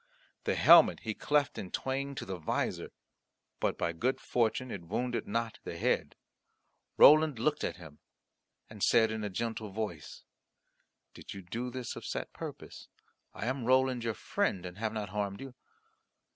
The helmet he cleft in twain to the visor; but by good fortune it wounded not the head. Roland looked at him and said in a gentle voice, "Did you this of set purpose? I am Roland your friend, and have not harmed you."